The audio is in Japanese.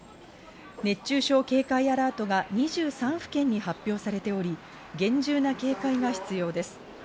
熱中症警戒アラートが２３府県に発表されており、厳重な警戒が必要です。